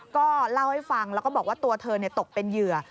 ก็เล่าให้ฟังแล้วก็บอกว่าตัวเธอตกเป็นเหยื่อ